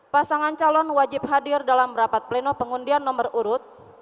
pasangan calon wajib hadir dalam rapat pleno pengundian nomor urut